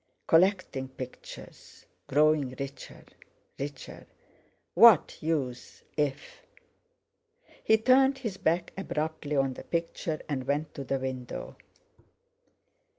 Collecting pictures; growing richer, richer! What use, if...! He turned his back abruptly on the picture, and went to the window.